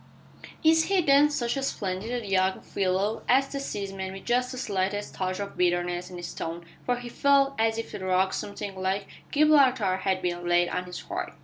"Is he, then, such a splendid young fellow!" asked the seaman, with just the slightest touch of bitterness in his tone, for he felt as if a rock something like Gibraltar had been laid on his heart.